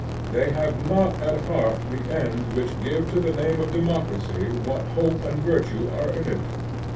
They have not at heart the ends which give to the name of democracy what hope and virtue are in it.